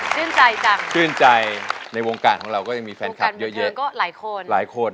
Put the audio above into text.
ชื่นใจจังในวงการของเราก็ยังมีแฟนคลับเยอะหลายคน